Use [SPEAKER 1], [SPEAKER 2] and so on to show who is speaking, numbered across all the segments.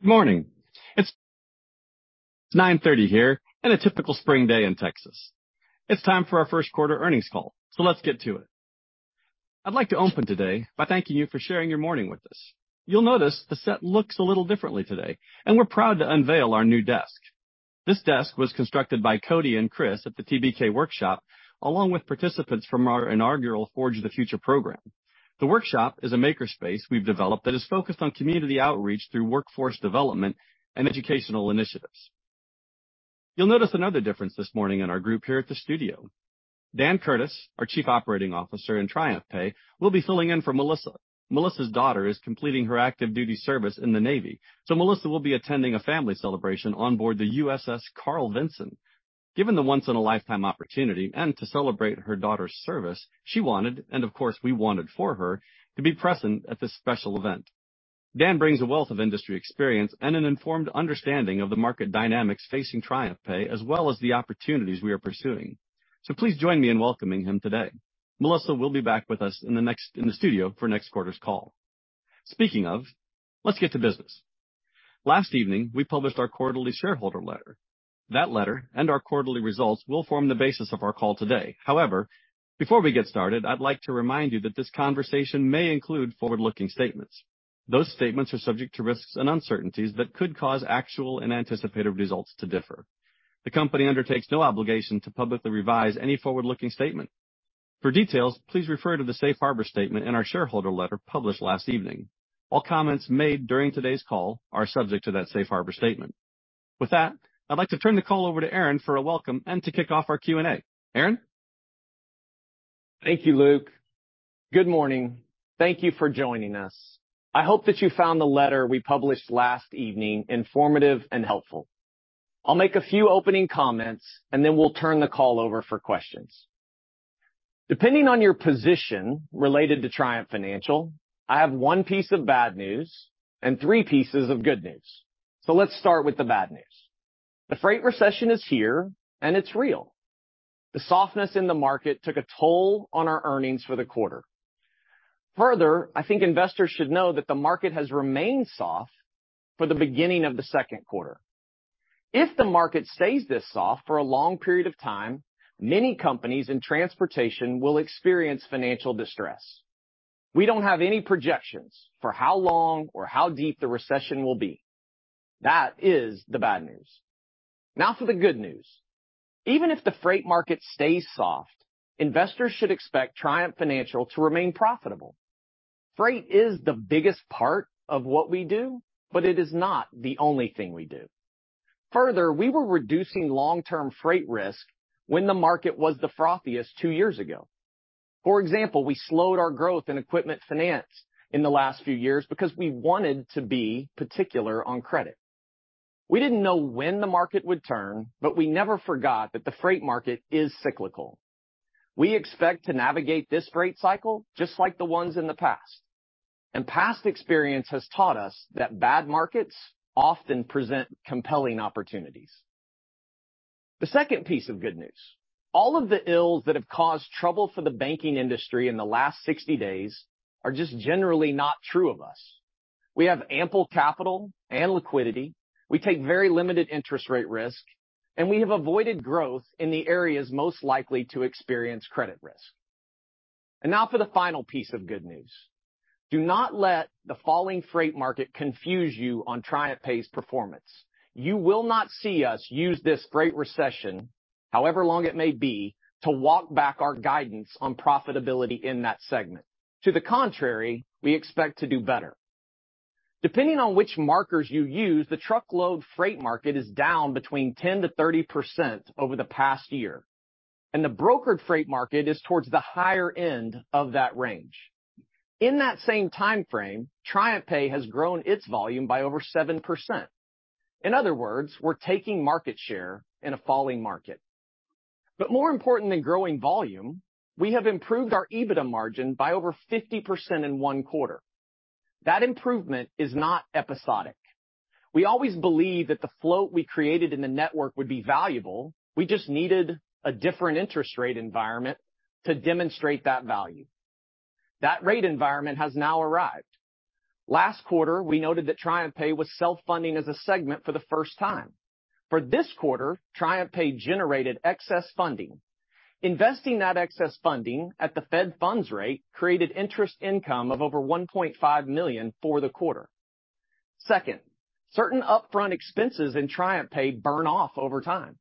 [SPEAKER 1] Morning. It's 9:30 here and a typical spring day in Texas. It's time for our first quarter earnings call. Let's get to it. I'd like to open today by thanking you for sharing your morning with us. You'll notice the set looks a little differently today. We're proud to unveil our new desk. This desk was constructed by Cody and Chris at the Triumph Workshop, along with participants from our inaugural Forge of the Future program. The workshop is a maker space we've developed that is focused on community outreach through workforce development and educational initiatives. You'll notice another difference this morning in our group here at the studio. Dan Curtis, our chief operating officer in TriumphPay, will be filling in for Melissa. Melissa's daughter is completing her active-duty service in the Navy. Melissa will be attending a family celebration on board the USS Carl Vinson. Given the once in a lifetime opportunity and to celebrate her daughter's service, she wanted, and of course we wanted for her, to be present at this special event. Dan brings a wealth of industry experience and an informed understanding of the market dynamics facing TriumphPay, as well as the opportunities we are pursuing. Please join me in welcoming him today. Melissa will be back with us in the studio for next quarter's call. Speaking of, let's get to business. Last evening, we published our quarterly shareholder letter. That letter and our quarterly results will form the basis of our call today. However, before we get started, I'd like to remind you that this conversation may include forward-looking statements. Those statements are subject to risks and uncertainties that could cause actual and anticipated results to differ. The company undertakes no obligation to publicly revise any forward-looking statement. For details, please refer to the Safe Harbor statement in our shareholder letter published last evening. All comments made during today's call are subject to that Safe Harbor statement. I'd like to turn the call over to Aaron for a welcome and to kick off our Q&A. Aaron.
[SPEAKER 2] Thank you, Luke. Good morning. Thank you for joining us. I hope that you found the letter we published last evening informative and helpful. I'll make a few opening comments, and then we'll turn the call over for questions. Depending on your position related to Triumph Financial, I have one piece of bad news and three pieces of good news. Let's start with the bad news. The freight recession is here, and it's real. The softness in the market took a toll on our earnings for the quarter. Further, I think investors should know that the market has remained soft for the beginning of the second quarter. If the market stays this soft for a long period of time, many companies in transportation will experience financial distress. We don't have any projections for how long or how deep the recession will be. That is the bad news. Now for the good news. Even if the freight market stays soft, investors should expect Triumph Financial to remain profitable. Freight is the biggest part of what we do, but it is not the only thing we do. Further, we were reducing long-term freight risk when the market was the frothiest two years ago. For example, we slowed our growth in equipment finance in the last few years because we wanted to be particular on credit. We didn't know when the market would turn, but we never forgot that the freight market is cyclical. We expect to navigate this freight cycle just like the ones in the past. Past experience has taught us that bad markets often present compelling opportunities. The second piece of good news, all of the ills that have caused trouble for the banking industry in the last 60 days are just generally not true of us. We have ample capital and liquidity, we take very limited interest rate risk, and we have avoided growth in the areas most likely to experience credit risk. Now for the final piece of good news. Do not let the falling freight market confuse you on TriumphPay's performance. You will not see us use this freight recession, however long it may be, to walk back our guidance on profitability in that segment. To the contrary, we expect to do better. Depending on which markers you use, the truckload freight market is down between 10%-30% over the past year, and the brokered freight market is towards the higher end of that range. In that same timeframe, TriumphPay has grown its volume by over 7%. In other words, we're taking market share in a falling market. More important than growing volume, we have improved our EBITDA margin by over 50% in one quarter. That improvement is not episodic. We always believe that the float we created in the network would be valuable. We just needed a different interest rate environment to demonstrate that value. That rate environment has now arrived. Last quarter, we noted that TriumphPay was self-funding as a segment for the first time. For this quarter, TriumphPay generated excess funding. Investing that excess funding at the Fed funds rate created interest income of over $1.5 million for the quarter. Second, certain upfront expenses in TriumphPay burn off over time.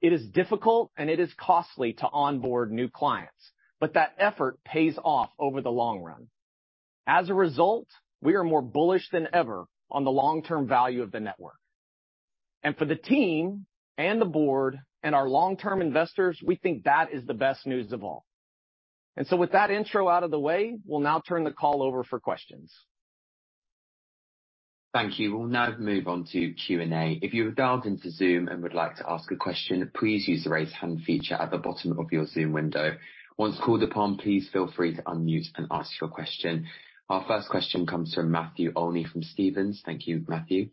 [SPEAKER 2] It is difficult and it is costly to onboard new clients, but that effort pays off over the long run. As a result, we are more bullish than ever on the long-term value of the network. For the team and the board and our long-term investors, we think that is the best news of all. With that intro out of the way, we'll now turn the call over for questions.
[SPEAKER 3] Thank you. We'll now move on to Q&A. If you have dialed into Zoom and would like to ask a question, please use the raise hand feature at the bottom of your Zoom window. Once called upon, please feel free to unmute and ask your question. Our first question comes from Matthew Olney from Stephens. Thank you, Matthew.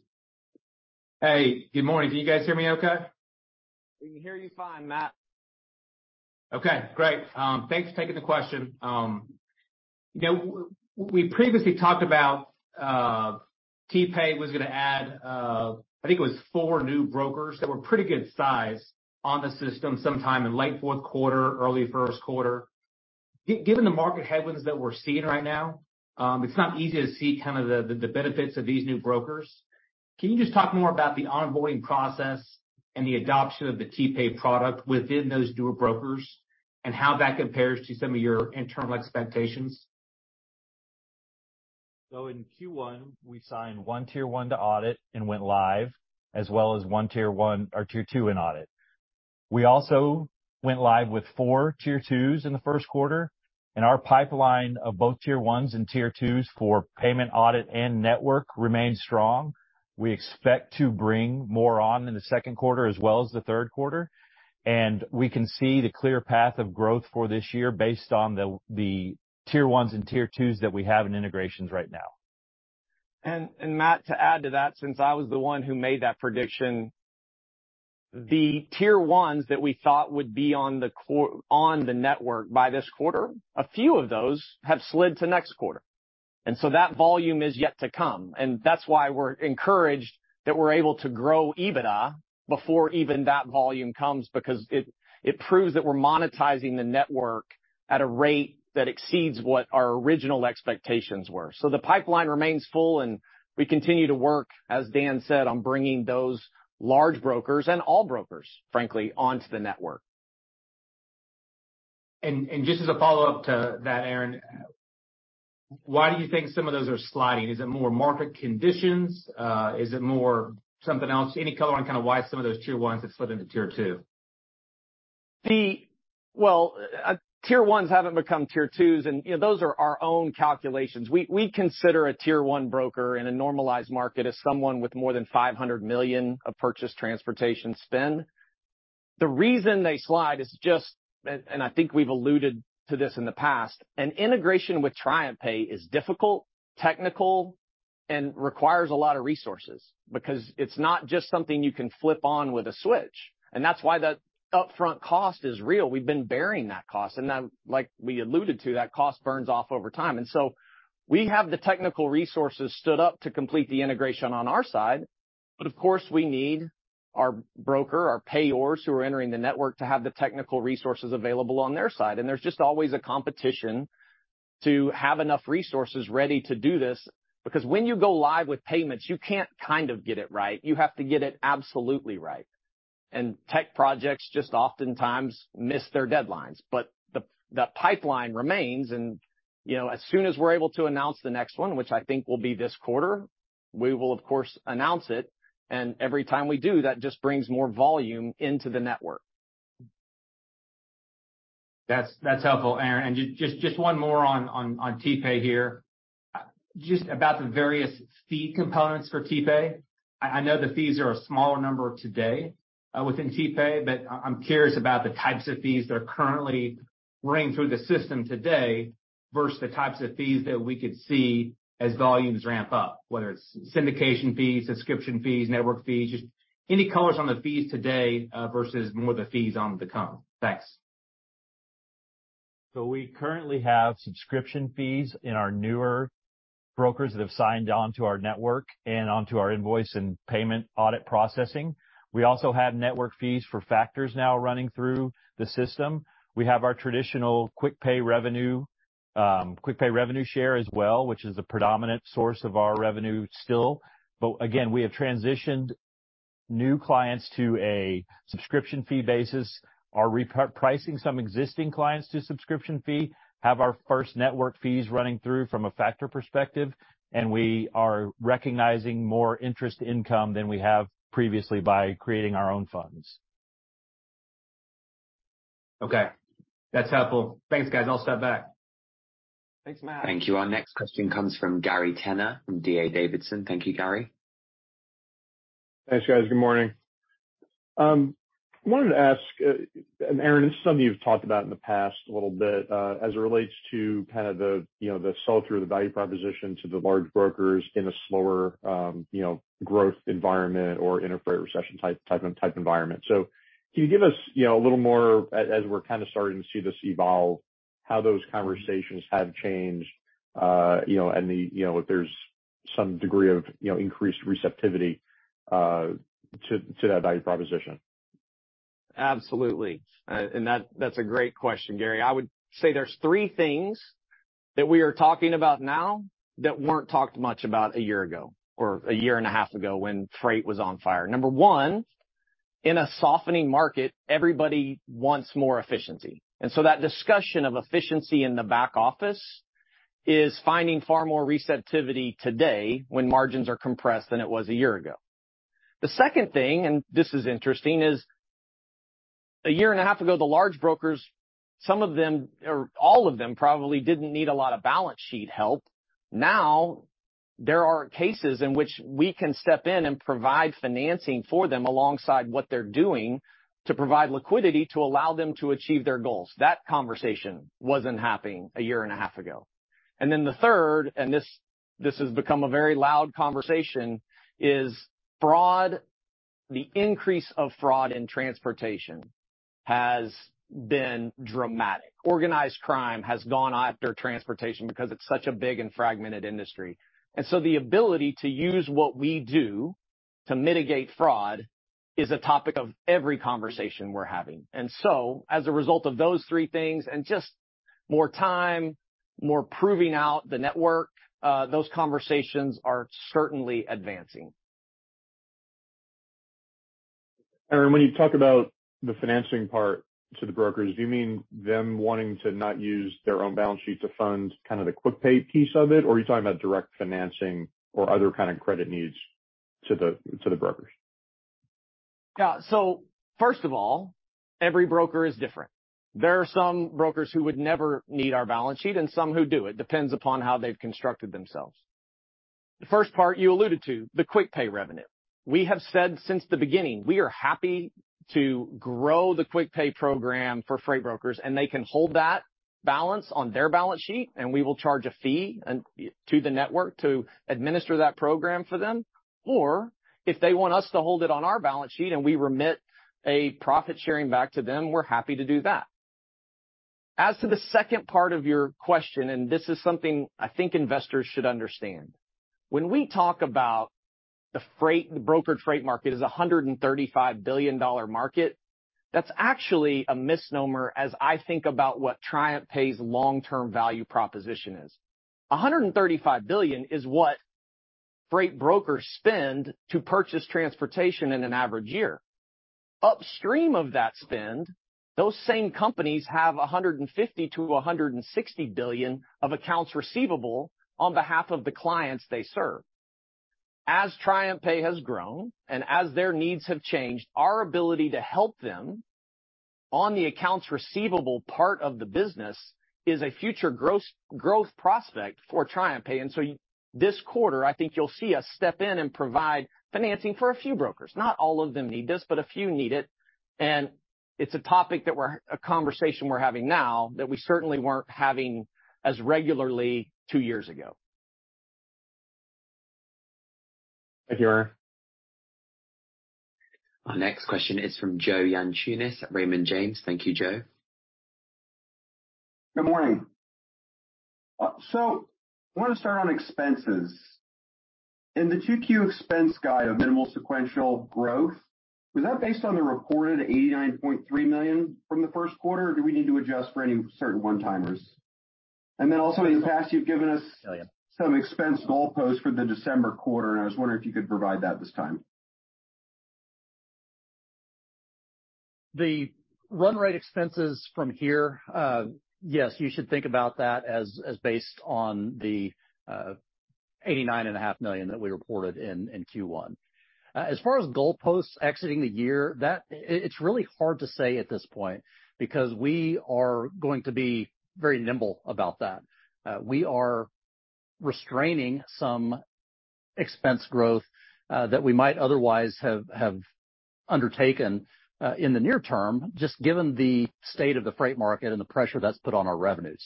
[SPEAKER 4] Hey, good morning. Can you guys hear me okay?
[SPEAKER 2] We can hear you fine, Matt.
[SPEAKER 4] Okay, great. Thanks for taking the question. You know, we previously talked about, TPay was gonna add, I think it was four new brokers that were pretty good size on the system sometime in late Q4, early Q1. Given the market headwinds that we're seeing right now, it's not easy to see kind of the benefits of these new brokers. Can you just talk more about the onboarding process and the adoption of the TPay product within those newer brokers and how that compares to some of your internal expectations?
[SPEAKER 5] In Q1, we signed one Tier 1 to audit and went live, as well as one Tier 1 or Tier 2 in audit. We also went live with four Tier 2s in the first quarter. Our pipeline of both Tier 1s and Tier 2s for payment audit and network remains strong. We expect to bring more on in the second quarter as well as the third quarter. We can see the clear path of growth for this year based on the Tier 1s and Tier 2s that we have in integrations right now.
[SPEAKER 2] Matthew Olney, to add to that, since I was the one who made that prediction. The Tier 1s that we thought would be on the network by this quarter, a few of those have slid to next quarter. That volume is yet to come, that's why we're encouraged that we're able to grow EBITDA before even that volume comes because it proves that we're monetizing the network at a rate that exceeds what our original expectations were. The pipeline remains full, and we continue to work, as Dan Curtis said, on bringing those large brokers and all brokers, frankly, onto the network.
[SPEAKER 4] Just as a follow-up to that, Aaron, why do you think some of those are sliding? Is it more market conditions? Is it more something else? Any color on kinda why some of those Tier 1s have slid into Tier 2?
[SPEAKER 2] Well, Tier 1s haven't become Tier 2s, and, you know, those are our own calculations. We consider a Tier 1 broker in a normalized market as someone with more than $500 million of purchase transportation spend. The reason they slide is just, and I think we've alluded to this in the past, an integration with TriumphPay is difficult, technical, and requires a lot of resources because it's not just something you can flip on with a switch, and that's why that upfront cost is real. We've been bearing that cost. Then like we alluded to, that cost burns off over time. So we have the technical resources stood up to complete the integration on our side. Of course, we need our broker, our payors who are entering the network to have the technical resources available on their side. There's just always a competition to have enough resources ready to do this, because when you go live with payments, you can't kind of get it right, you have to get it absolutely right. Tech projects just oftentimes miss their deadlines. The pipeline remains and, you know, as soon as we're able to announce the next one, which I think will be this quarter, we will of course announce it, and every time we do, that just brings more volume into the network.
[SPEAKER 4] That's helpful, Aaron. Just one more on TPay here. Just about the various fee components for TPay. I know the fees are a smaller number today within TPay, but I'm curious about the types of fees that are currently running through the system today versus the types of fees that we could see as volumes ramp up, whether it's syndication fees, subscription fees, network fees, just any colors on the fees today versus more the fees on the to-come. Thanks.
[SPEAKER 5] We currently have subscription fees in our newer brokers that have signed on to our network and onto our invoice and payment audit processing. We also have network fees for factors now running through the system. We have our traditional QuickPay revenue, QuickPay revenue share as well, which is the predominant source of our revenue still. Again, we have transitioned new clients to a subscription fee basis. Are repricing some existing clients to subscription fee. Have our first network fees running through from a factor perspective, and we are recognizing more interest income than we have previously by creating our own funds.
[SPEAKER 4] Okay. That's helpful. Thanks, guys. I'll step back.
[SPEAKER 2] Thanks, Matt.
[SPEAKER 3] Thank you. Our next question comes from Gary Tenner from D.A. Davidson. Thank you, Gary.
[SPEAKER 6] Thanks, guys. Good morning. Wanted to ask, Aaron, this is something you've talked about in the past a little bit, as it relates to kind of the, you know, the sell-through the value proposition to the large brokers in a slower, you know, growth environment or in a freight recession type environment. Can you give us, you know, a little more as we're kind of starting to see this evolve, how those conversations have changed, you know, and the, you know, if there's some degree of, you know, increased receptivity to that value proposition?
[SPEAKER 2] Absolutely. That's a great question, Gary. I would say there's three things that we are talking about now that weren't talked much about 1 year ago or 1 and a half years ago when freight was on fire. Number 1, in a softening market, everybody wants more efficiency. That discussion of efficiency in the back office is finding far more receptivity today when margins are compressed than it was 1 year ago. The second thing, this is interesting, is 1 and a half years ago, the large brokers, some of them or all of them, probably didn't need a lot of balance sheet help. Now, there are cases in which we can step in and provide financing for them alongside what they're doing to provide liquidity to allow them to achieve their goals. That conversation wasn't happening 1 and a half years ago. The third, and this has become a very loud conversation, is the increase of fraud in transportation has been dramatic. Organized crime has gone after transportation because it's such a big and fragmented industry. The ability to use what we do to mitigate fraud is a topic of every conversation we're having. As a result of those three things and just more time, more proving out the network, those conversations are certainly advancing.
[SPEAKER 6] Aaron, when you talk about the financing part to the brokers, do you mean them wanting to not use their own balance sheet to fund kind of the QuickPay piece of it? Are you talking about direct financing or other kind of credit needs to the, to the brokers?
[SPEAKER 2] Yeah. First of all, every broker is different. There are some brokers who would never need our balance sheet and some who do. It depends upon how they've constructed themselves. The first part you alluded to, the QuickPay revenue. We have said since the beginning, we are happy to grow the QuickPay program for freight brokers, and they can hold that balance on their balance sheet, and we will charge a fee and to the network to administer that program for them. If they want us to hold it on our balance sheet and we remit a profit sharing back to them, we're happy to do that. As to the second part of your question, and this is something I think investors should understand. When we talk about the broker freight market is a $135 billion market, that's actually a misnomer as I think about what TriumphPay's long-term value proposition is. $135 billion is what freight brokers spend to purchase transportation in an average year. Upstream of that spend, those same companies have $150 billion-$160 billion of accounts receivable on behalf of the clients they serve. This quarter, I think you'll see us step in and provide financing for a few brokers. Not all of them need this, but a few need it. It's a topic that a conversation we're having now that we certainly weren't having as regularly two years ago.
[SPEAKER 6] Thank you, Aaron.
[SPEAKER 7] Our next question is from Joe Yanchunis at Raymond James. Thank you, Joe.
[SPEAKER 8] Good morning. I want to start on expenses. In the 2Q expense guide of minimal sequential growth, was that based on the reported $89.3 million from the Q1, or do we need to adjust for any certain one-timers? Also in the past, you've given us some expense goalposts for the December quarter, and I was wondering if you could provide that this time.
[SPEAKER 2] The run rate expenses from here, yes, you should think about that as based on the eighty-nine and a half million dollars that we reported in Q1. As far as goalposts exiting the year, that it's really hard to say at this point because we are going to be very nimble about that. We are restraining some expense growth that we might otherwise have undertaken in the near term, just given the state of the freight market and the pressure that's put on our revenues.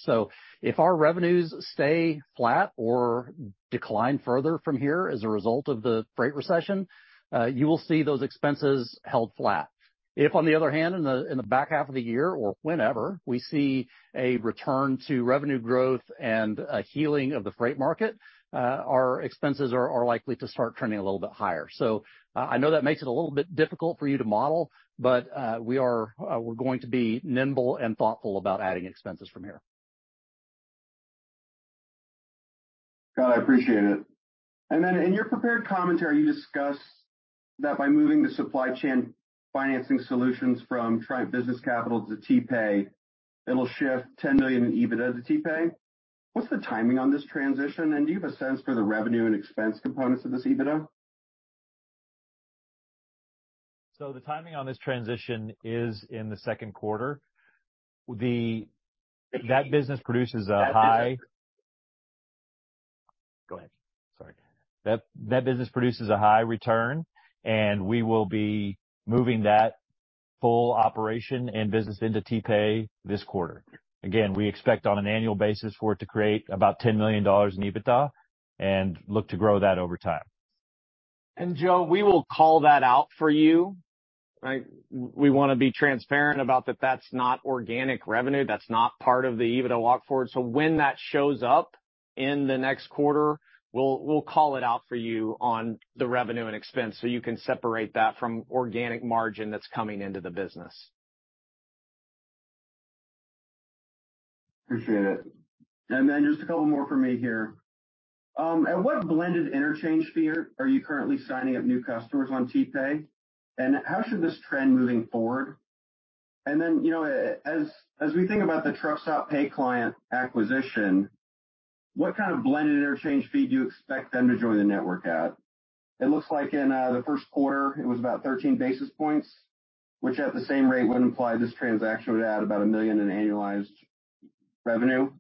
[SPEAKER 2] If our revenues stay flat or decline further from here as a result of the freight recession, you will see those expenses held flat. If, on the other hand, in the back half of the year or whenever, we see a return to revenue growth and a healing of the freight market, our expenses are likely to start trending a little bit higher. I know that makes it a little bit difficult for you to model, but we are, we're going to be nimble and thoughtful about adding expenses from here.
[SPEAKER 8] Got it. I appreciate it. In your prepared commentary, you discuss that by moving the supply chain financing solutions from Triumph Business Capital to TPay, it'll shift $10 million in EBITDA to TPay. What's the timing on this transition? Do you have a sense for the revenue and expense components of this EBITDA?
[SPEAKER 5] The timing on this transition is in the Q2.
[SPEAKER 8] Thank you.
[SPEAKER 5] That business produces a high-
[SPEAKER 2] Go ahead.
[SPEAKER 5] Sorry. That business produces a high return, and we will be moving that full operation and business into TPay this quarter. Again, we expect on an annual basis for it to create about $10 million in EBITDA and look to grow that over time.
[SPEAKER 2] Joe, we will call that out for you, right? We want to be transparent about that that's not organic revenue. That's not part of the EBITDA walk-forward. When that shows up in the next quarter, we'll call it out for you on the revenue and expense, so you can separate that from organic margin that's coming into the business.
[SPEAKER 8] Appreciate it. Just a couple more for me here. At what blended interchange fee are you currently signing up new customers on TPay? How should this trend moving forward? You know, as we think about the Truckstop Pay client acquisition, what kind of blended interchange fee do you expect them to join the network at? It looks like in the Q1, it was about 13 basis points, which at the same rate would imply this transaction would add about $1 million in annualized revenue.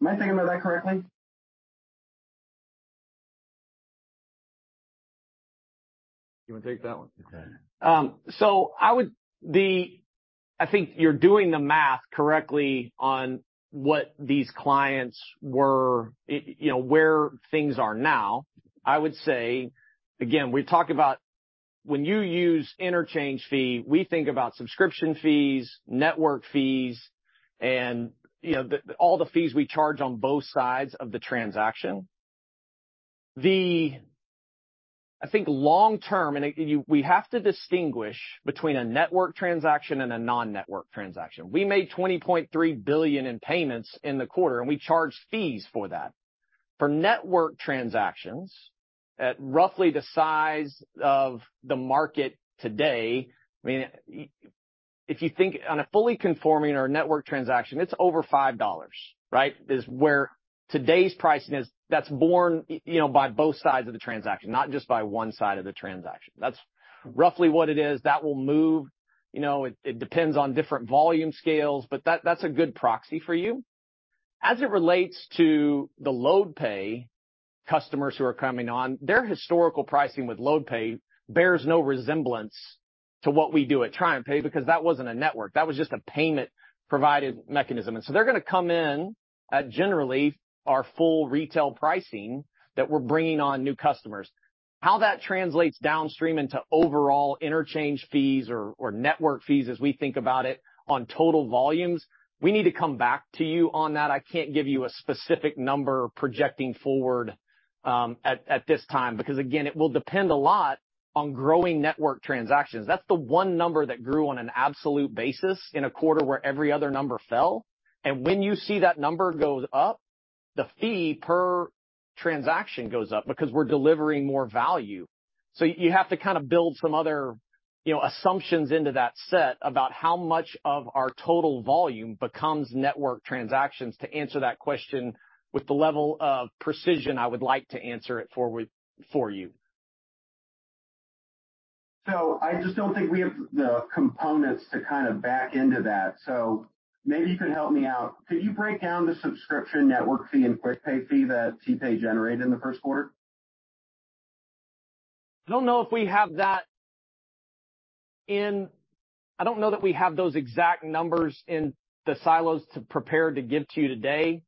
[SPEAKER 8] Am I thinking about that correctly?
[SPEAKER 5] You want to take that one?
[SPEAKER 2] I think you're doing the math correctly on what these clients were, you know, where things are now. I would say, again, we talk about when you use interchange fee, we think about subscription fees, network fees, and, you know, all the fees we charge on both sides of the transaction. I think long term, we have to distinguish between a network transaction and a non-network transaction. We made $20.3 billion in payments in the quarter, we charged fees for that. For network transactions at roughly the size of the market today, I mean, if you think on a fully conforming or a network transaction, it's over $5, right? Is where today's pricing is. That's borne by, you know, both sides of the transaction, not just by one side of the transaction. That's roughly what it is. That will move. You know, it depends on different volume scales, but that's a good proxy for you. As it relates to the LoadPay customers who are coming on, their historical pricing with LoadPay bears no resemblance to what we do at TriumphPay because that wasn't a network. That was just a payment provided mechanism. They're gonna come in at generally our full retail pricing that we're bringing on new customers. How that translates downstream into overall interchange fees or network fees as we think about it on total volumes, we need to come back to you on that. I can't give you a specific number projecting forward at this time because again, it will depend a lot on growing network transactions. That's the one number that grew on an absolute basis in a quarter where every other number fell. When you see that number goes up, the fee per transaction goes up because we're delivering more value. You have to kind of build some other, you know, assumptions into that set about how much of our total volume becomes network transactions to answer that question with the level of precision I would like to answer it for you.
[SPEAKER 8] I just don't think we have the components to kind of back into that. Maybe you could help me out. Could you break down the subscription network fee and QuickPay fee that TPay generated in the Q1?
[SPEAKER 2] I don't know that we have those exact numbers in the silos to prepare to give to you today.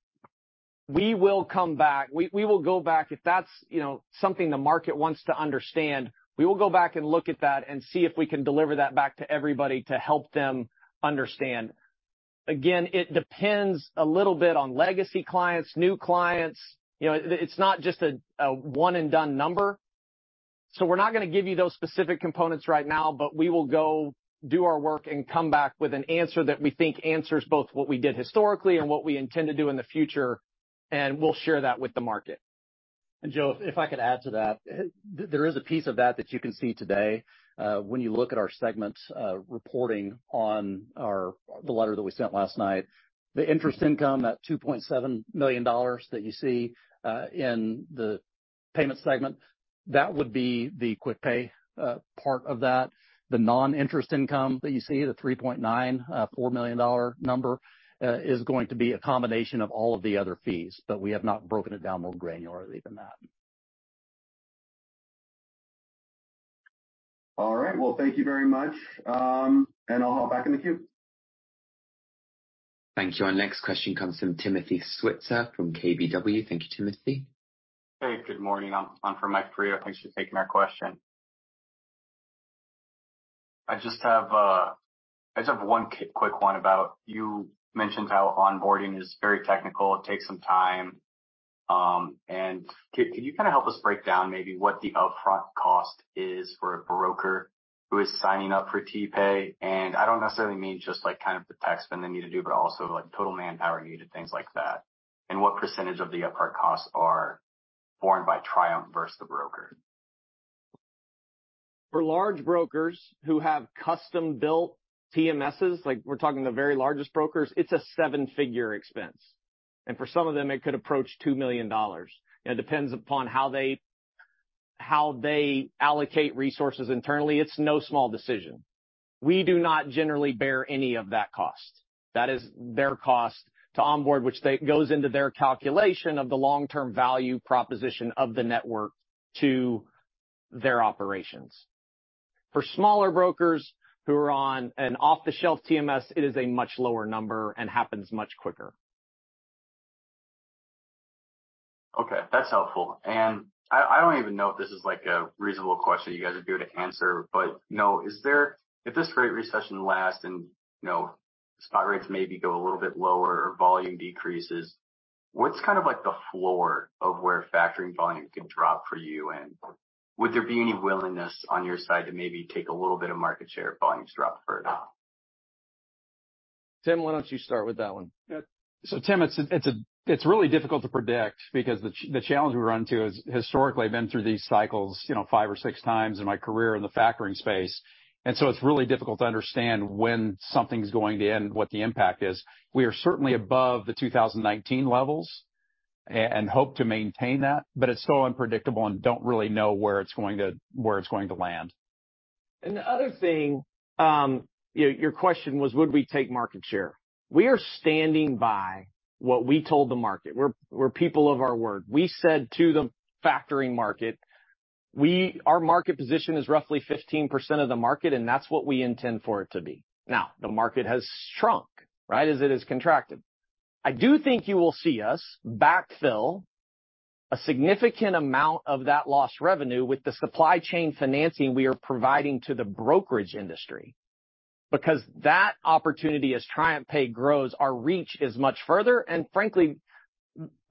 [SPEAKER 2] We will come back. We will go back. If that's, you know, something the market wants to understand, we will go back and look at that and see if we can deliver that back to everybody to help them understand. Again, it depends a little bit on legacy clients, new clients, you know, it's not just a one and done number. We're not going to give you those specific components right now, but we will go do our work and come back with an answer that we think answers both what we did historically and what we intend to do in the future, and we'll share that with the market.
[SPEAKER 5] Joe, if I could add to that, there is a piece of that that you can see today, when you look at our segments, reporting on the letter that we sent last night. The interest income, that $2.7 million that you see, in the payment segment, that would be the QuickPay part of that. The non-interest income that you see, the $3.94 million number, is going to be a combination of all of the other fees, but we have not broken it down more granularly than that.
[SPEAKER 8] All right. Well, thank you very much. I'll hop back in the queue.
[SPEAKER 3] Thank you. Our next question comes from Timothy Switzer from KBW. Thank you, Timothy.
[SPEAKER 9] Hey, good morning. I'm from KBW. Thanks for taking our question. I just have, I just have one quick one about you mentioned how onboarding is very technical. It takes some time. Could you kind of help us break down maybe what the upfront cost is for a broker who is signing up for TPay? I don't necessarily mean just like kind of the tech spend they need to do, but also like total manpower needed, things like that. What percentage of the upfront costs are borne by Triumph versus the broker?
[SPEAKER 2] For large brokers who have custom-built TMSs, like we're talking the very largest brokers, it's a seven-figure expense. For some of them, it could approach $2 million. It depends upon how they allocate resources internally. It's no small decision. We do not generally bear any of that cost. That is their cost to onboard, which goes into their calculation of the long-term value proposition of the network to their operations. For smaller brokers who are on an off-the-shelf TMS, it is a much lower number and happens much quicker.
[SPEAKER 9] Okay, that's helpful. I don't even know if this is like a reasonable question you guys would be able to answer, but, you know, if this rate recession lasts and, you know, spot rates maybe go a little bit lower or volume decreases, what's kind of like the floor of where factoring volume could drop for you? Would there be any willingness on your side to maybe take a little bit of market share if volumes drop further?
[SPEAKER 2] Tim, why don't you start with that one?
[SPEAKER 5] Yeah. Tim, it's really difficult to predict because the challenge we run into is historically been through these cycles, you know, five or six times in my career in the factoring space. It's really difficult to understand when something's going to end, what the impact is. We are certainly above the 2019 levels and hope to maintain that. It's so unpredictable and don't really know where it's going to land.
[SPEAKER 2] You know, your question was would we take market share? We are standing by what we told the market. We're people of our word. We said to the factoring market our market position is roughly 15% of the market, and that's what we intend for it to be. The market has shrunk, right, as it has contracted. I do think you will see us backfill a significant amount of that lost revenue with the supply chain financing we are providing to the brokerage industry. As TriumphPay grows, our reach is much further.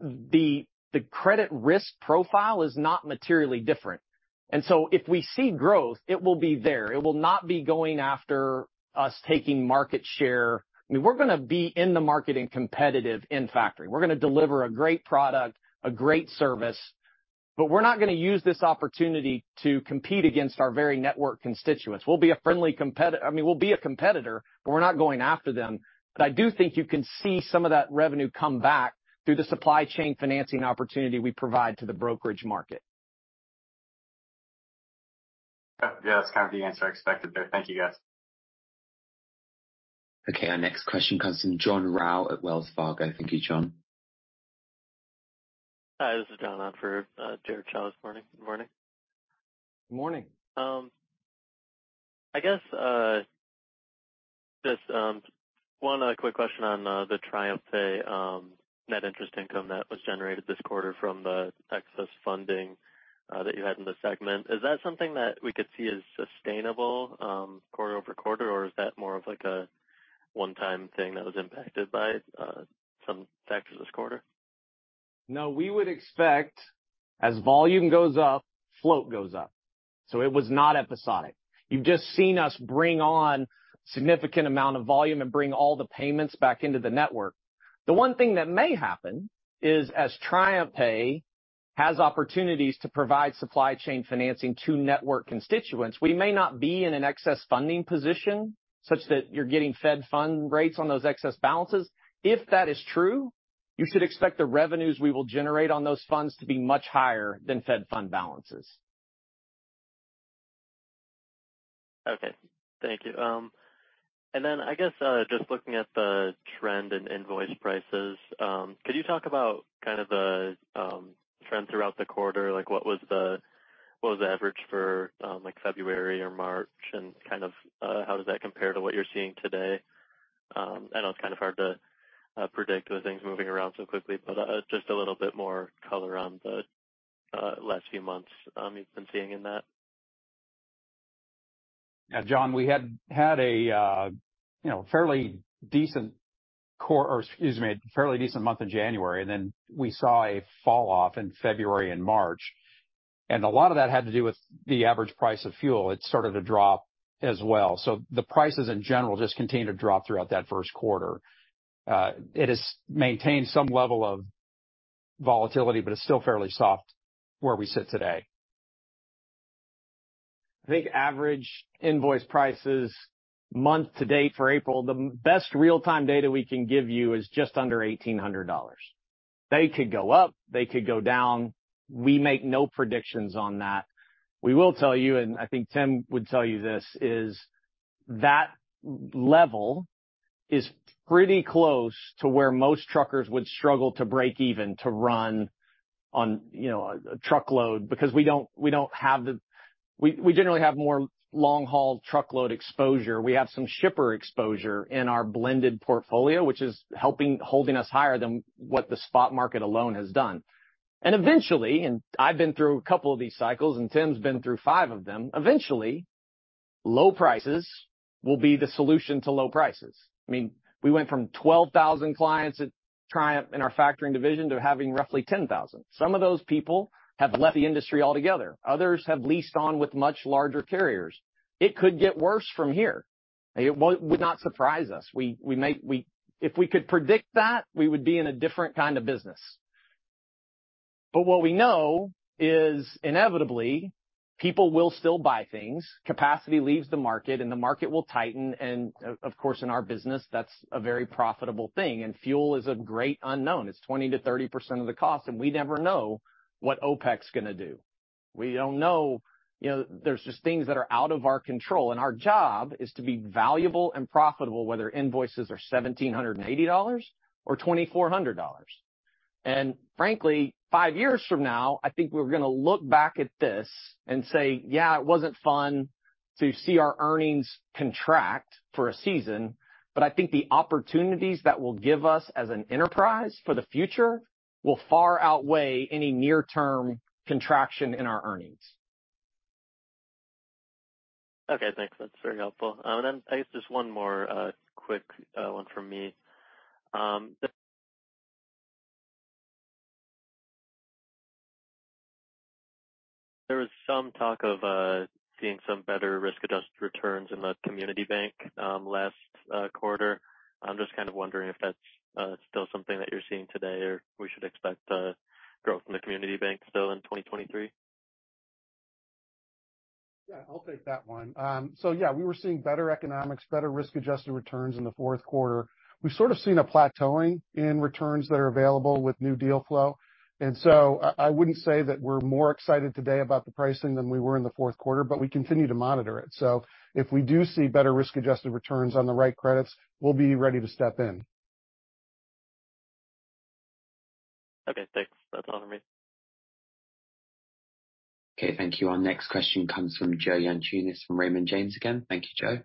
[SPEAKER 2] The credit risk profile is not materially different. If we see growth, it will be there. It will not be going after us taking market share. I mean, we're gonna be in the market and competitive in factoring. We're gonna deliver a great product, a great service, but we're not gonna use this opportunity to compete against our very network constituents. I mean, we'll be a competitor, but we're not going after them. I do think you can see some of that revenue come back through the supply chain financing opportunity we provide to the brokerage market.
[SPEAKER 9] Yeah, that's kind of the answer I expected there. Thank you, guys.
[SPEAKER 3] Okay, our next question comes from Jon Rau at Wells Fargo. Thank you, John.
[SPEAKER 10] Hi, this is Jon on for, Derek Chao this morning. Good morning.
[SPEAKER 2] Morning.
[SPEAKER 10] I guess, just one quick question on the TriumphPay net interest income that was generated this quarter from the excess funding that you had in the segment. Is that something that we could see as sustainable quarter-over-quarter, or is that more of like a one-time thing that was impacted by some factors this quarter?
[SPEAKER 2] No, we would expect as volume goes up, float goes up. It was not episodic. You've just seen us bring on significant amount of volume and bring all the payments back into the network. The one thing that may happen is, as TriumphPay has opportunities to provide supply chain financing to network constituents, we may not be in an excess funding position such that you're getting Fed funds rates on those excess balances. If that is true, you should expect the revenues we will generate on those funds to be much higher than Fed funds balances.
[SPEAKER 10] Okay. Thank you. Then I guess, just looking at the trend in invoice prices, could you talk about kind of the trend throughout the quarter? Like what was the average for like February or March, and kind of, how does that compare to what you're seeing today? I know it's kind of hard to predict with things moving around so quickly, just a little bit more color on the last few months, you've been seeing in that.
[SPEAKER 5] Yeah, Jon. We had had a, you know, fairly decent month in January, and then we saw a falloff in February and March. A lot of that had to do with the average price of fuel. It started to drop as well. The prices in general just continued to drop throughout that first quarter. It has maintained some level of volatility, but it's still fairly soft where we sit today. I think average invoice prices month to date for April, the best real-time data we can give you is just under $1,800. They could go up; they could go down. We make no predictions on that. We will tell you, and I think Tim would tell you this, is that level is pretty close to where most truckers would struggle to break even to run on, you know, a truckload because we generally have more long-haul truckload exposure. We have some shipper exposure in our blended portfolio, which is holding us higher than what the spot market alone has done. Eventually, I've been through a couple of these cycles, and Tim's been through five of them. Eventually, low prices will be the solution to low prices. I mean, we went from 12,000 clients at Triumph in our factoring division to having roughly 10,000. Some of those people have left the industry altogether. Others have leased on with much larger carriers. It could get worse from here. It would not surprise us. We may, if we could predict that, we would be in a different kind of business. What we know is, inevitably, people will still buy things, capacity leaves the market, and the market will tighten. Of course, in our business, that's a very profitable thing. Fuel is a great unknown. It's 20%-30% of the cost, and we never know what OPEC's gonna do. We don't know, you know, there's just things that are out of our control, and our job is to be valuable and profitable, whether invoices are $1,780 or $2,400. Frankly, five years from now, I think we're gonna look back at this and say, "Yeah, it wasn't fun to see our earnings contract for a season," but I think the opportunities that will give us as an enterprise for the future will far outweigh any near-term contraction in our earnings.
[SPEAKER 10] Okay, thanks. That's very helpful. I guess just one more quick one from me. There was some talk of seeing some better risk-adjusted returns in the community bank last quarter. I'm just kind of wondering if that's still something that you're seeing today or we should expect growth in the community bank still in 2023?
[SPEAKER 11] Yeah, I'll take that one. We were seeing better economics, better risk-adjusted returns in the Q4. We've sort of seen a plateauing in returns that are available with new deal flow, I wouldn't say that we're more excited today about the pricing than we were in the fourth quarter, but we continue to monitor it. If we do see better risk-adjusted returns on the right credits, we'll be ready to step in.
[SPEAKER 10] Okay, thanks. That's all for me.
[SPEAKER 3] Thank you. Our next question comes from Joe Yanchunis from Raymond James again. Thank you, Joe.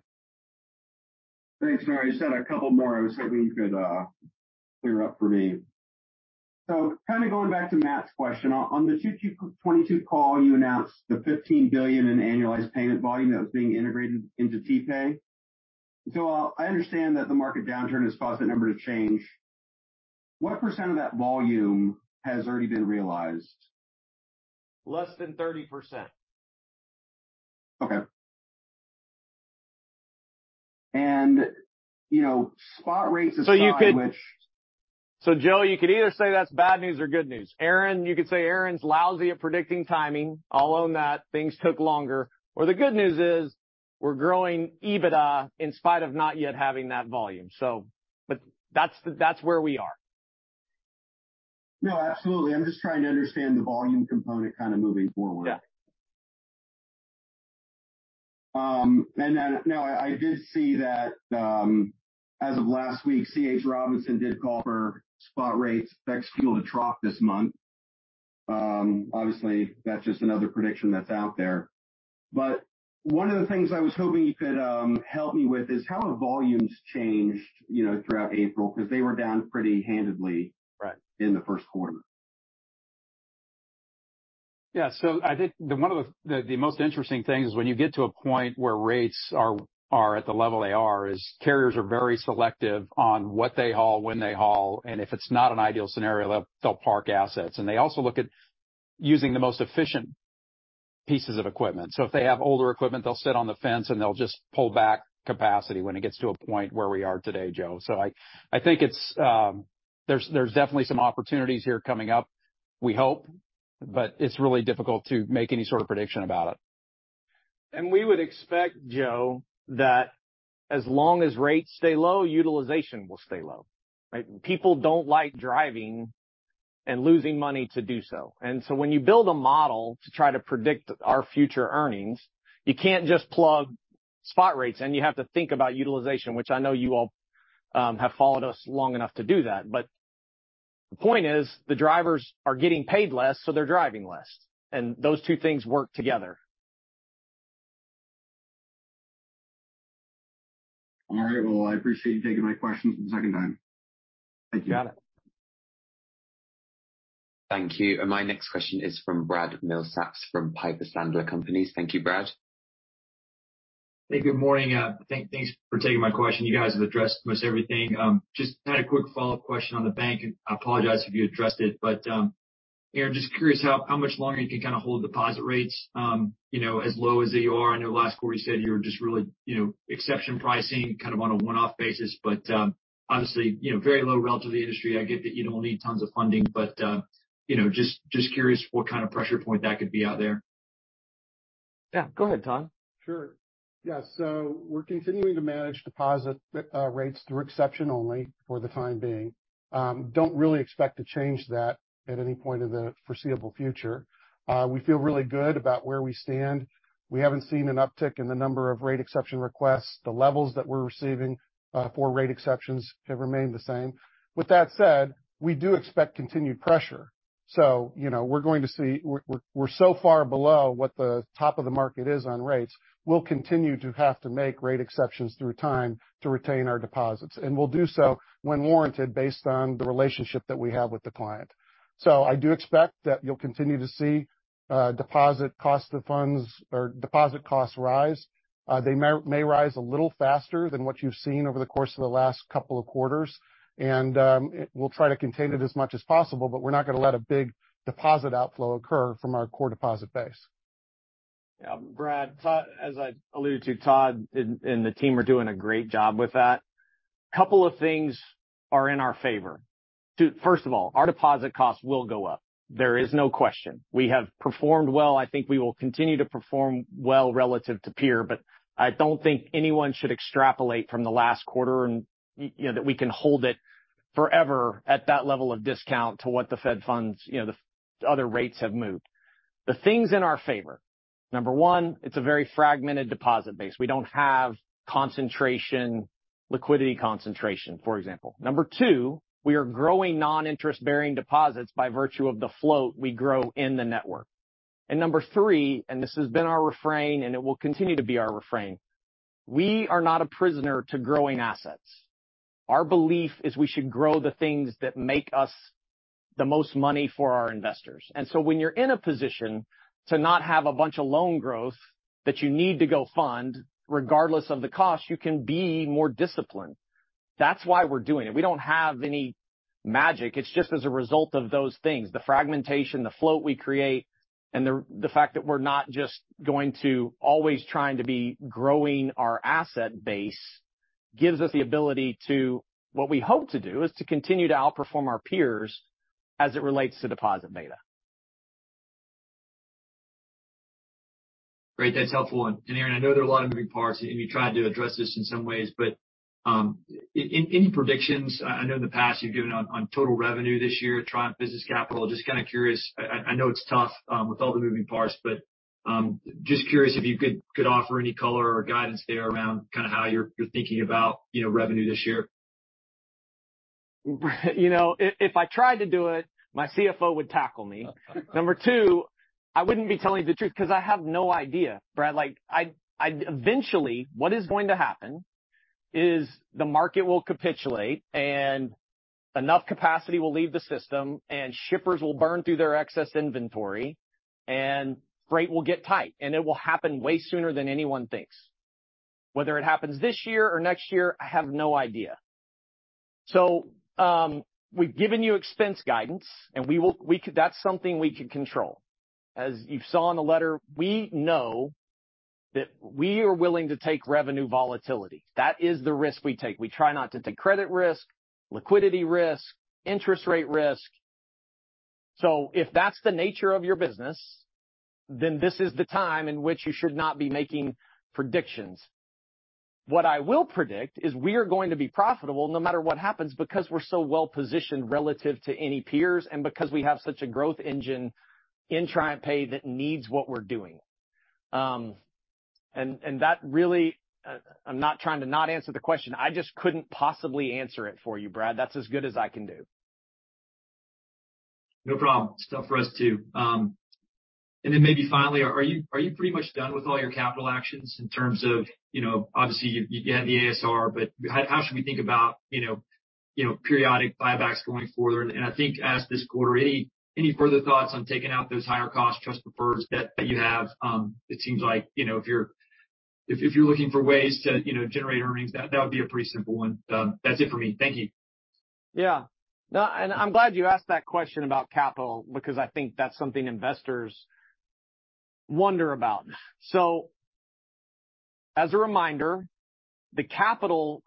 [SPEAKER 8] Thanks, Mary. Just had a couple more I was hoping you could clear up for me. Kind of going back to Matt's question. On the 2Q 2022 call, you announced the $15 billion in annualized payment volume that was being integrated into TPay. I understand that the market downturn has caused that number to change. What % of that volume has already been realized?
[SPEAKER 11] Less than 30%.
[SPEAKER 8] Okay. You know, spot rates aside.
[SPEAKER 2] Joe, you could either say that's bad news or good news. Aaron, you could say Aaron's lousy at predicting timing. I'll own that. Things took longer. The good news is, we're growing EBITDA in spite of not yet having that volume. That's where we are.
[SPEAKER 8] No, absolutely. I'm just trying to understand the volume component kind of moving forward.
[SPEAKER 2] Yeah.
[SPEAKER 8] I did see that, as of last week, C.H. Robinson did call for spot rates ex fuel to trough this month. Obviously, that's just another prediction that's out there. One of the things I was hoping you could help me with is how have volumes changed, you know, throughout April, because they were down pretty handedly.
[SPEAKER 2] Right.
[SPEAKER 8] In the Q1.
[SPEAKER 5] Yeah. I think one of the most interesting things is when you get to a point where rates are at the level they are is carriers are very selective on what they haul, when they haul, and if it's not an ideal scenario, they'll park assets. They also look at using the most efficient pieces of equipment. If they have older equipment, they'll sit on the fence, and they'll just pull back capacity when it gets to a point where we are today, Joe. I think it's; there's definitely some opportunities here coming up, we hope, but it's really difficult to make any sort of prediction about it.
[SPEAKER 2] We would expect, Joe, that as long as rates stay low, utilization will stay low, right? People don't like driving and losing money to do so. When you build a model to try to predict our future earnings, you can't just plug spot rates, and you have to think about utilization, which I know you all have followed us long enough to do that. The point is, the drivers are getting paid less, so they're driving less, and those two things work together.
[SPEAKER 8] All right. Well, I appreciate you taking my questions for the second time. Thank you.
[SPEAKER 2] Got it.
[SPEAKER 7] Thank you. My next question is from Brad Milsaps from Piper Sandler Companies. Thank you, Brad.
[SPEAKER 12] Hey, good morning. Thanks for taking my question. You guys have addressed almost everything. Just had a quick follow-up question on the bank. I apologize if you addressed it, Aaron, just curious how much longer you can kind of hold deposit rates, you know, as low as they are. I know last quarter you said you were just really, you know, exception pricing kind of on a one-off basis, obviously, you know, very low relative to the industry. I get that you don't need tons of funding, you know, just curious what kind of pressure point that could be out there?
[SPEAKER 5] Yeah, go ahead, Todd.
[SPEAKER 13] Sure. Yeah. We're continuing to manage deposit rates through exception only for the time being. Don't really expect to change that at any point in the foreseeable future. We feel really good about where we stand. We haven't seen an uptick in the number of rate exception requests. The levels that we're receiving for rate exceptions have remained the same. With that said, we do expect continued pressure. You know, we're so far below what the top of the market is on rates. We'll continue to have to make rate exceptions through time to retain our deposits, and we'll do so when warranted based on the relationship that we have with the client. I do expect that you'll continue to see deposit cost of funds or deposit costs rise. They may rise a little faster than what you've seen over the course of the last couple of quarters. We'll try to contain it as much as possible, but we're not going to let a big deposit outflow occur from our core deposit base.
[SPEAKER 2] Yeah. Brad, as I alluded to, Todd and the team are doing a great job with that. A couple of things are in our favor. First of all, our deposit costs will go up. There is no question. We have performed well. I think we will continue to perform well relative to peer, but I don't think anyone should extrapolate from the last quarter and, you know, that we can hold it forever at that level of discount to what the Fed funds, you know, the other rates have moved. The things in our favor. Number one, it's a very fragmented deposit base. We don't have concentration, liquidity concentration, for example. Number two, we are growing non-interest-bearing deposits by virtue of the float we grow in the network. Number three, this has been our refrain, and it will continue to be our refrain. We are not a prisoner to growing assets. Our belief is we should grow the things that make us the most money for our investors. When you're in a position to not have a bunch of loan growth that you need to go fund, regardless of the cost, you can be more disciplined. That's why we're doing it. We don't have any magic. It's just as a result of those things, the fragmentation, the float we create, and the fact that we're not just going to always trying to be growing our asset base gives us the ability to, what we hope to do, is to continue to outperform our peers as it relates to deposit beta.
[SPEAKER 12] Great. That's helpful. Aaron, I know there are a lot of moving parts, and you tried to address this in some ways, but, any predictions? I know in the past you've given on total revenue this year, Triumph Business Capital. Just kind of curious. I know it's tough, with all the moving parts, but. just curious if you could offer any color or guidance there around kind of how you're thinking about, you know, revenue this year.
[SPEAKER 2] You know, if I tried to do it, my CFO would tackle me. Number two, I wouldn't be telling the truth because I have no idea, Brad. Like, I. Eventually, what is going to happen is the market will capitulate, and enough capacity will leave the system, and shippers will burn through their excess inventory, and freight will get tight, and it will happen way sooner than anyone thinks. Whether it happens this year or next year, I have no idea. We've given you expense guidance, and we will, that's something we can control. As you saw in the letter, we know that we are willing to take revenue volatility. That is the risk we take. We try not to take credit risk, liquidity risk, interest rate risk. If that's the nature of your business, then this is the time in which you should not be making predictions. What I will predict is we are going to be profitable no matter what happens because we're so well-positioned relative to any peers and because we have such a growth engine in TriumphPay that needs what we're doing. And that really, I'm not trying to not answer the question. I just couldn't possibly answer it for you, Brad. That's as good as I can do.
[SPEAKER 12] No problem. It's tough for us too. Maybe finally, are you pretty much done with all your capital actions in terms of, you know, obviously you had the ASR. How should we think about, you know, periodic buybacks going forward? I think as this quarter, any further thoughts on taking out those higher cost trust preferred debt that you have? It seems like, you know, if you're looking for ways to, you know, generate earnings, that would be a pretty simple one. That's it for me. Thank you.
[SPEAKER 2] Yeah. No, I'm glad you asked that question about capital because I think that's something investors wonder about. As a reminder, the capital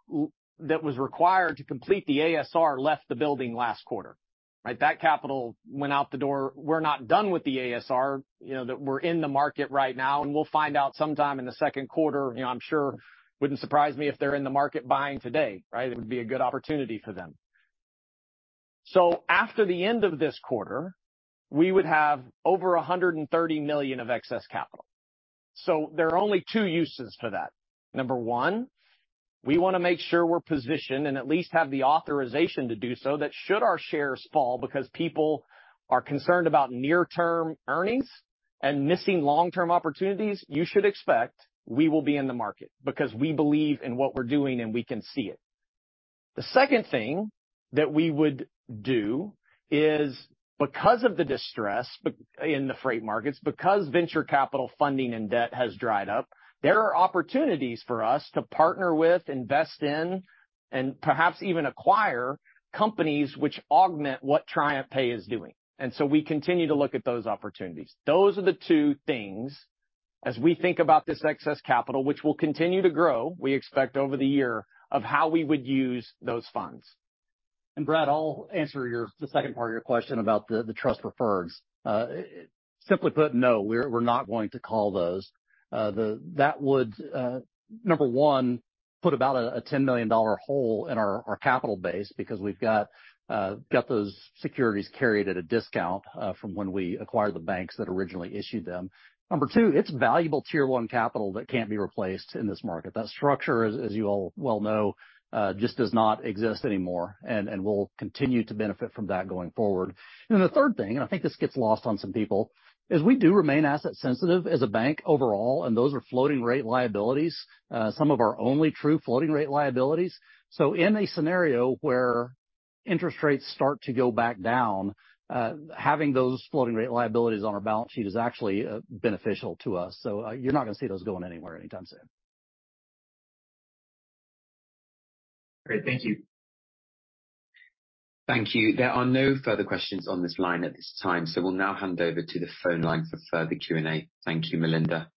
[SPEAKER 2] that was required to complete the ASR left the building last quarter, right? That capital went out the door. We're not done with the ASR, you know, that we're in the market right now, we'll find out sometime in the second quarter. You know, I'm sure wouldn't surprise me if they're in the market buying today, right? It would be a good opportunity for them. After the end of this quarter, we would have over $130 million of excess capital. There are only two uses for that. Number one, we want to make sure we're positioned and at least have the authorization to do so that should our shares fall because people are concerned about near-term earnings and missing long-term opportunities, you should expect we will be in the market because we believe in what we're doing, and we can see it. The second thing that we would do is because of the distress in the freight markets, because venture capital funding and debt has dried up, there are opportunities for us to partner with, invest in, and perhaps even acquire companies which augment what TriumphPay is doing. We continue to look at those opportunities. Those are the two things as we think about this excess capital, which will continue to grow, we expect over the year, of how we would use those funds.
[SPEAKER 5] Brad, I'll answer your the second part of your question about the trust preferred. Simply put, no, we're not going to call those. That would, number one, put about a $10 million hole in our capital base because we've got those securities carried at a discount from when we acquired the banks that originally issued them. Number two, it's valuable Tier 1 capital that can't be replaced in this market. That structure, as you all well know, just does not exist anymore. We'll continue to benefit from that going forward. Then the third thing, and I think this gets lost on some people, is we do remain asset sensitive as a bank overall, and those are floating rate liabilities. Some of our only true floating rate liabilities. In a scenario where interest rates start to go back down, having those floating rate liabilities on our balance sheet is actually beneficial to us. You're not gonna see those going anywhere anytime soon.
[SPEAKER 12] Great. Thank you.
[SPEAKER 3] Thank you. There are no further questions on this line at this time, so we'll now hand over to the phone line for further Q&A. Thank you, Melinda.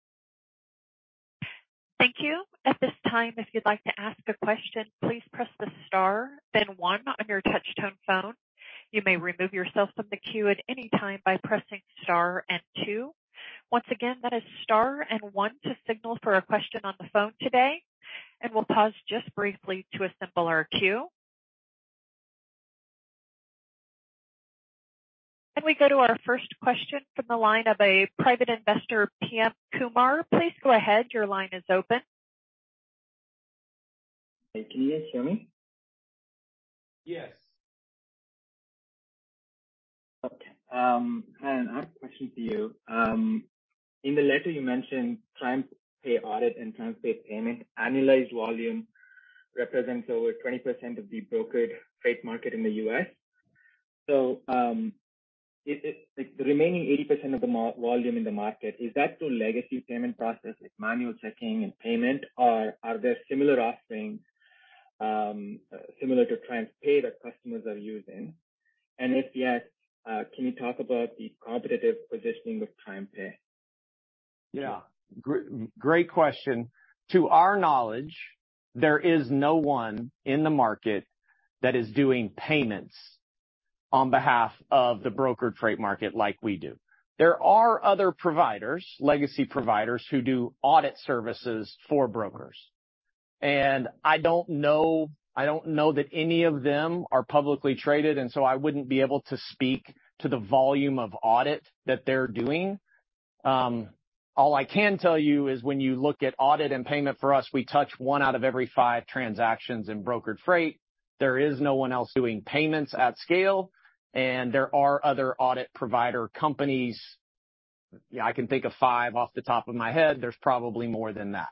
[SPEAKER 3] We go to our first question from the line of a private investor, PM Kumar. Please go ahead. Your line is open.
[SPEAKER 14] Hey, can you guys hear me?
[SPEAKER 2] Yes.
[SPEAKER 14] Okay. I have a question for you. In the letter you mentioned TriumphPay Audit and TriumphPay Payments annualized volume represents over 20% of the brokered freight market in the U.S. Is it like the remaining 80% of the volume in the market, is that through legacy payment process with manual checking and payment, or are there similar offerings, similar to TriumphPay that customers are using? If yes, can you talk about the competitive positioning of TriumphPay?
[SPEAKER 2] Yeah. Great question. To our knowledge, there is no one in the market that is doing payments on behalf of the brokered freight market like we do. There are other providers, legacy providers, who do audit services for brokers. I don't know, I don't know that any of them are publicly traded, so I wouldn't be able to speak to the volume of audit that they're doing. All I can tell you is when you look at audit and payment for us, we touch one out of every five transactions in brokered freight. There is no one else doing payments at scale. There are other audit provider companies. Yeah, I can think of five off the top of my head. There's probably more than that.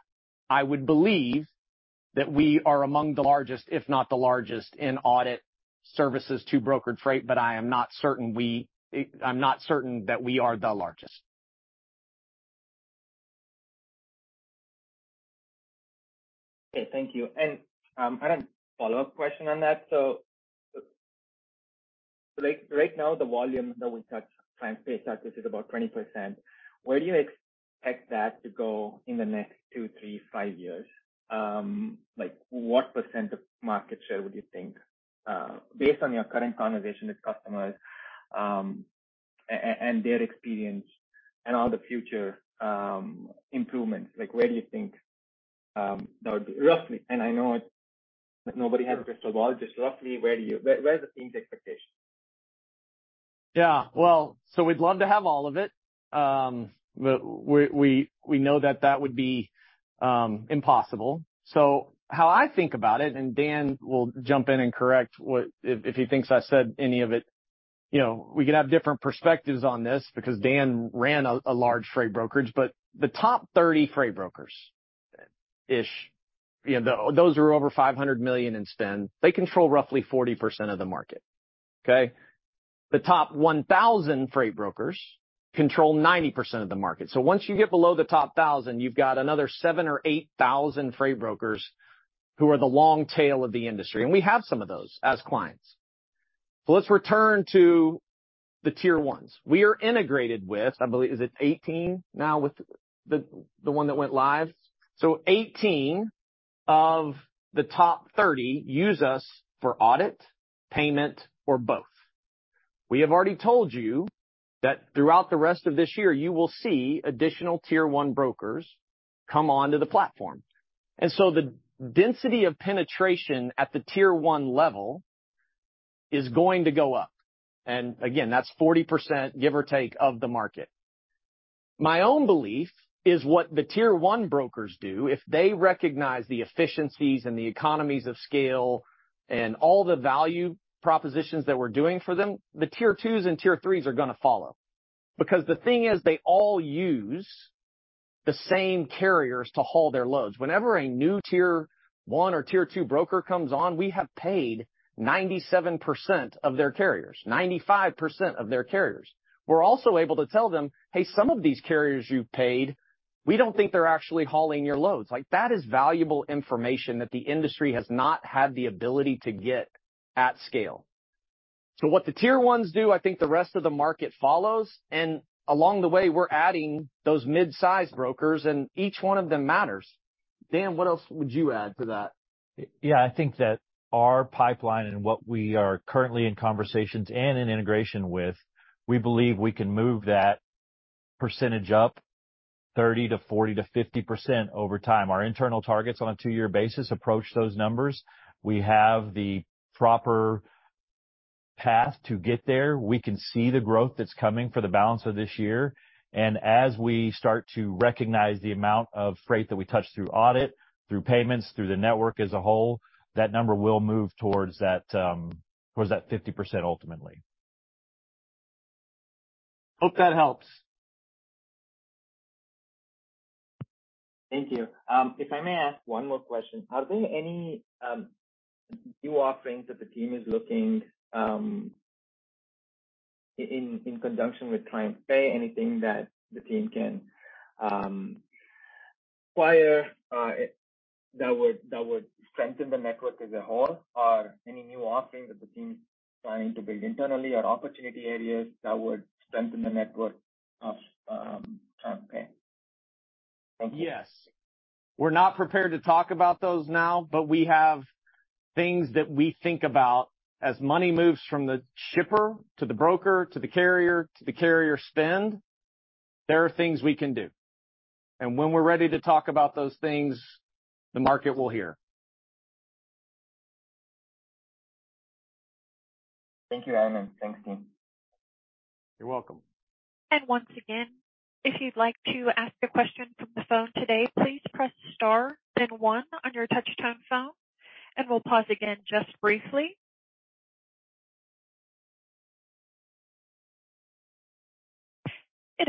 [SPEAKER 2] I would believe that we are among the largest, if not the largest, in audit services to broker freight, but I am not certain that we are the largest.
[SPEAKER 14] Okay. Thank you. I had a follow-up question on that. Like right now, the volume that we touch TriumphPay side, which is about 20%, where do you expect that to go in the next 2, 3, 5 years? Like, what % of market share would you think, based on your current conversation with customers, and their experience and all the future improvements, like where do you think, roughly, and I know nobody has a crystal ball, just roughly where is the team's expectation?
[SPEAKER 2] Well, we'd love to have all of it. But we know that that would be impossible. How I think about it, and Dan will jump in and correct if he thinks I said any of it, you know, we could have different perspectives on this because Dan ran a large freight brokerage. The top 30 freight brokers-ish, you know, those who are over $500 million in spend, they control roughly 40% of the market. Okay? The top 1,000 freight brokers control 90% of the market. Once you get below the top 1,000, you've got another 7,000 or 8,000 freight brokers who are the long tail of the industry, and we have some of those as clients. Let's return to the Tier 1s. We are integrated with, I believe is it 18 now with the one that went live? 18 of the top 30 use us for audit, payment or both. We have already told you that throughout the rest of this year, you will see additional Tier 1 brokers come onto the platform. The density of penetration at the Tier 1 level is going to go up. Again, that's 40%, give or take, of the market. My own belief is what the Tier 1 brokers do, if they recognize the efficiencies and the economies of scale and all the value propositions that we're doing for them, the Tier 2s and Tier 3s are gonna follow. Because the thing is, they all use the same carriers to haul their loads. Whenever a new Tier 1 or Tier 2 broker comes on, we have paid 97% of their carriers, 95% of their carriers. We're also able to tell them, "Hey, some of these carriers you've paid, we don't think they're actually hauling your loads." Like, that is valuable information that the industry has not had the ability to get at scale. What the Tier 1s do, I think the rest of the market follows, and along the way, we're adding those mid-size brokers, and each one of them matters. Dan, what else would you add to that?
[SPEAKER 5] Yeah. I think that our pipeline and what we are currently in conversations and in integration with, we believe we can move that percentage up 30% to 40% to 50% over time. Our internal targets on a two-year basis approach those numbers. We have the proper path to get there. We can see the growth that's coming for the balance of this year. As we start to recognize the amount of freight that we touch through audit, through payments, through the network as a whole, that number will move towards that, towards that 50% ultimately.
[SPEAKER 14] Hope that helps. Thank you. If I may ask one more question. Are there any new offerings that the team is looking in conjunction with TriumphPay, anything that the team can acquire that would strengthen the network as a whole? Any new offerings that the team is planning to build internally or opportunity areas that would strengthen the network of TriumphPay? Thank you.
[SPEAKER 2] Yes. We're not prepared to talk about those now. We have things that we think about. As money moves from the shipper to the broker to the carrier to the carrier spend, there are things we can do. When we're ready to talk about those things, the market will hear.
[SPEAKER 14] Thank you, Aaron. Thanks, team.
[SPEAKER 2] You're welcome.
[SPEAKER 3] It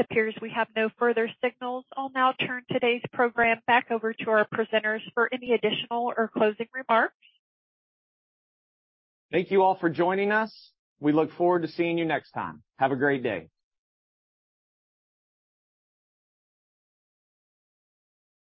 [SPEAKER 3] appears we have no further signals. I'll now turn today's program back over to our presenters for any additional or closing remarks.
[SPEAKER 2] Thank you all for joining us. We look forward to seeing you next time. Have a great day.